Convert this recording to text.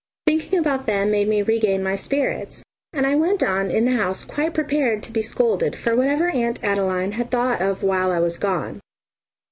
Thinking about them made me regain my spirits, and I went on in the house quite prepared to be scolded for whatever Aunt Adeline had thought of while I was gone.